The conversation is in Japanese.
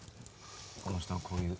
この人のこういうね。